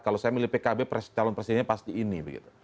kalau saya milih pkb calon presidennya pasti ini